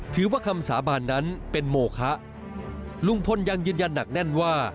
ถือว่าคำสาบานนั้นเป็นโมคะลุงพลยังยืนยันหนักแน่นว่า